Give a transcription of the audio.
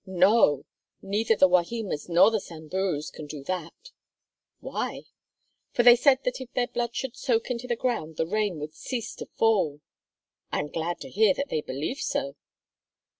"No! Neither the Wahimas nor the Samburus can do that." "Why?" "For they said that if their blood should soak into the ground the rain would cease to fall." "I am glad to hear that they believe so."